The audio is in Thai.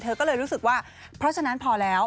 เธอก็เลยรู้สึกว่าเพราะฉะนั้นพอแล้ว